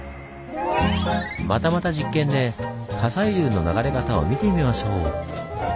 またまた実験で火砕流の流れ方を見てみましょう！